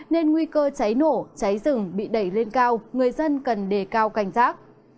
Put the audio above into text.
nên nguy cơ cháy nổ cháy rừng bị đẩy lên cao người dân cần đề cao cảnh giác